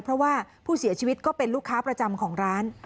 เพราะว่าผู้เสียชีวิตก็เป็นลูกค้าประจำของร้าน